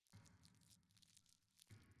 Qalam-hasadg’oy qo’lida o’lim quroli.